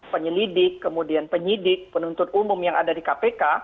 penyelidik kemudian penyidik penuntut umum yang ada di kpk